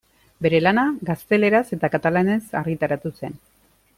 Bere lana gazteleraz eta katalanez argitaratu zen.